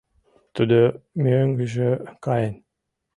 — Тудо мӧҥгыжӧ каен.